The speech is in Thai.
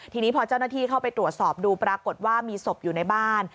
ทีนี้พอเจ้าหน้าที่เข้าไปตรวจสอบดูปรากฏว่ามีศพอยู่ในบ้าน